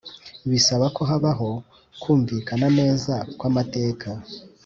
bisaba ko habaho kumvikana neza kw amateka